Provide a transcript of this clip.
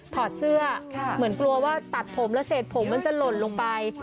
ถอดเสื้อเหมือนกลัวว่าตัดผมแล้วเศษผมมันจะหล่นลงไป